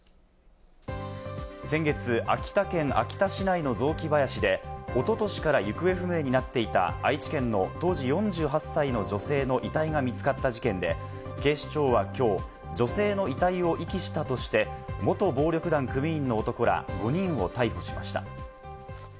先月、秋田県秋田市内の雑木林でおととしから行方不明になっていた愛知県の当時４８歳の女性の遺体が見つかった事件で、警視庁はきょう、女性の遺体を遺棄したとして、元暴力団組員の男ら５人を逮捕しました。